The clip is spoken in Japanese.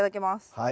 はい。